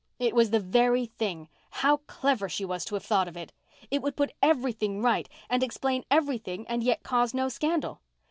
It was the very thing! How clever she was to have thought of it! It would put everything right and explain everything and yet cause no scandal.